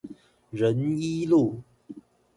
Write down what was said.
仁一路